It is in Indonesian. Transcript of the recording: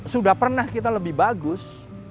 sudah pernah kita lebih bagus